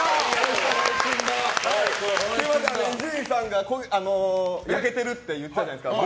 すみません伊集院さんが焼けてるって言ってたじゃないですか。